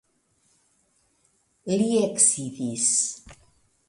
Li eksidis.